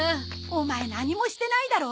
オマエ何もしてないだろ！